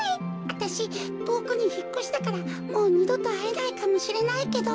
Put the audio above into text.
わたしとおくにひっこしたからもうにどとあえないかもしれないけど。